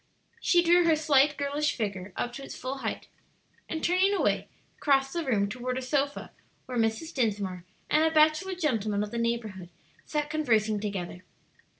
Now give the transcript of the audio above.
She drew her slight, girlish figure up to its full height, and turning away, crossed the room toward a sofa where Mrs. Dinsmore and a bachelor gentleman of the neighborhood sat conversing together.